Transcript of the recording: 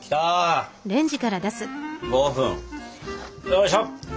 よいしょ！